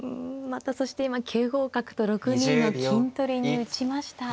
またそして今９五角と６二の金取りに打ちました。